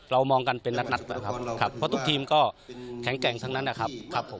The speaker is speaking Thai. มองกันเป็นนัดนะครับครับเพราะทุกทีมก็แข็งแกร่งทั้งนั้นนะครับผม